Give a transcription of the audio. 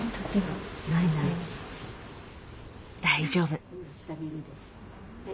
大丈夫。